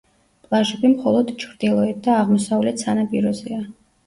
პლაჟები მხოლოდ ჩრდილოეთ და აღმოსავლეთ სანაპიროზეა.